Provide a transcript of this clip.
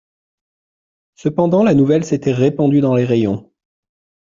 Cependant, la nouvelle s'était répandue dans les rayons.